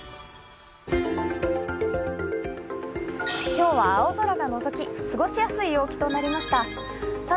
今日は青空がのぞき過ごしやすい陽気となりました。